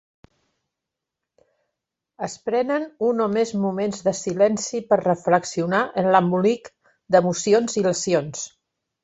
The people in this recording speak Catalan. Es prenen un o més moments de silenci per reflexionar en l'embolic d'emocions i lesions.